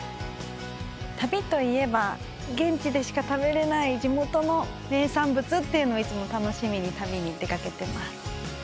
旅といえば現地でしか食べられない地元の名産物っていうのをいつも楽しみに旅に出掛けてます。